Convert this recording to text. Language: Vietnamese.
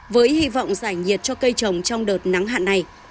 với hy vọng giải nhiệt cho cây trồng trong đợt nắng hạn này